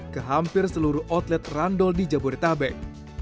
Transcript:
ke hampir seluruh outlet randol di jabodetabek